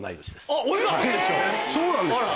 そうなんですか？